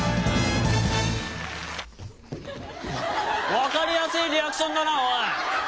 分かりやすいリアクションだなおい！